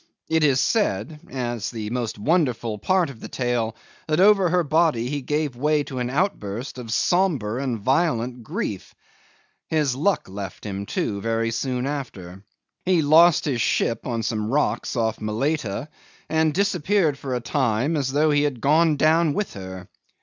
It is said as the most wonderful part of the tale that over her body he gave way to an outburst of sombre and violent grief. His luck left him, too, very soon after. He lost his ship on some rocks off Malaita, and disappeared for a time as though he had gone down with her.